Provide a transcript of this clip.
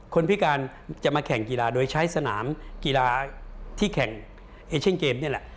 พิการจะมาแข่งกีฬาโดยใช้สนามกีฬาที่แข่งเอเชนเกมนี่แหละ